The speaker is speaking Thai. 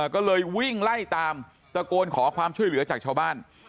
ก็เลยวิ่งไล่ตามตะโกนขอความช่วยเหลือจากชาวบ้าน